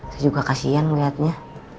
saya juga kasian melihatnya